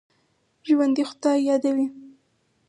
ژوندي خدای یادوي